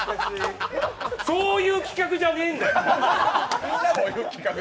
そういう企画じゃねえ。